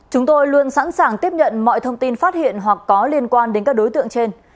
chúng tôi luôn sẵn sàng tiếp nhận mọi thông tin phát hiện hoặc có liên quan đến các đối tượng trên